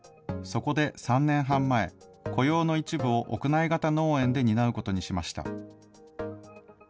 そこで３年半前、雇用の一部を屋内型農園で担うことにしました。